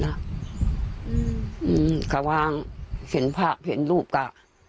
อืมก็วางเห็นภาพเห็นรูปก็